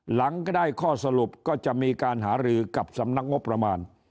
หลังก็ได้ข้อสรุปก็จะมีการหารือกับสำนักงบประมาณ